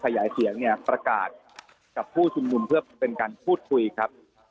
ใครขยายเสียงเนี่ยประกาศแต่หูธรรมธรรมประกอบเป็นการพูดคุยครับ